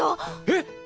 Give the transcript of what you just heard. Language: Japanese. えっ？